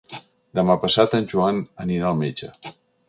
Demà passat en Joan anirà al metge.